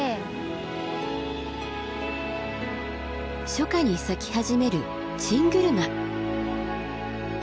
初夏に咲き始めるチングルマ。